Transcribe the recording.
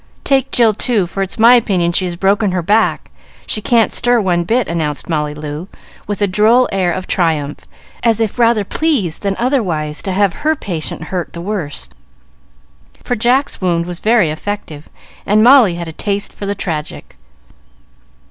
"Take Jill, too, for it's my opinion she has broken her back. She can't stir one bit," announced Molly Loo, with a droll air of triumph, as if rather pleased than otherwise to have her patient hurt the worse; for Jack's wound was very effective, and Molly had a taste for the tragic.